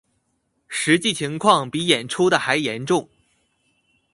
實際情況比演出的還嚴重